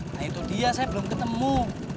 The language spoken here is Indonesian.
nah itu dia saya belum ketemu